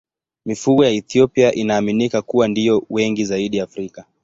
Mifugo ya Ethiopia inaaminika kuwa ndiyo wengi zaidi Afrika.